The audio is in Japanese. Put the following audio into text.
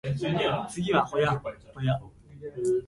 派手な表紙の雑誌